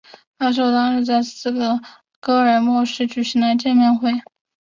发售当日在斯德哥尔摩市内举行了见面会。